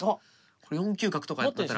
これ４九角とかやったら。